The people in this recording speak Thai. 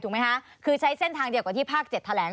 ถูกไหมฮะคือใช้เส้นทางเดียวกับที่ภาคเจ็ดแถลแหลง